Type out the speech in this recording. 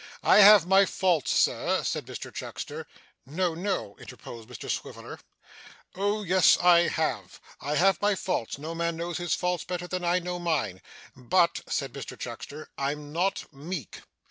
I have my faults, sir,' said Mr Chuckster 'No, no,' interposed Mr Swiveller. 'Oh yes I have, I have my faults, no man knows his faults better than I know mine. But,' said Mr Chuckster, 'I'm not meek.